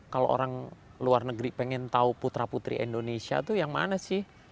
kalau orang luar negeri pengen tahu putra putri indonesia itu yang mana sih